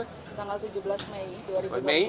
tanggal tujuh belas mei dua ribu delapan belas